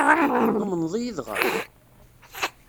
Tumneḍ-iyi dɣa?